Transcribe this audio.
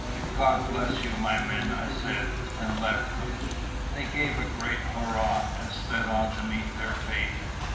"God bless you, my men!" I said, and left them. They gave a great hurrah, and sped on to meet their fate.